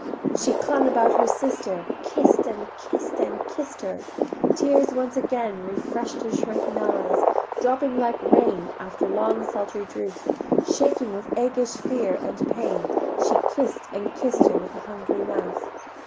She clung about her sister, Kiss'd and kiss'd and kiss'd her: Tears once again Refresh'd her shrunken eyes, Dropping like rain After long sultry drouth; Shaking with aguish fear, and pain, She kiss'd and kiss'd her with a hungry mouth.